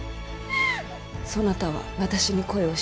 そなたは私に恋をしておるか。